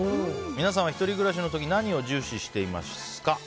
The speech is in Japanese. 皆さんは１人暮らしの時に何を重視していますか。